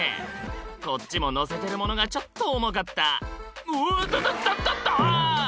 こっちも乗せてるものがちょっと重かった「うおっとととっとっと！」